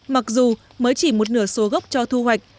mặc dù mới chỉ một nửa số gốc cho thu hoạch